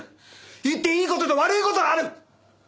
言っていい事と悪い事がある！